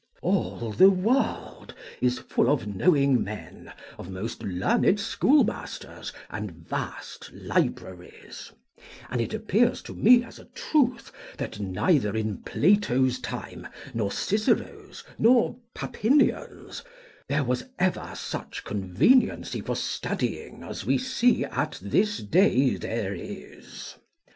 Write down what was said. All the world is full of knowing men, of most learned schoolmasters, and vast libraries; and it appears to me as a truth, that neither in Plato's time, nor Cicero's, nor Papinian's, there was ever such conveniency for studying as we see at this day there is.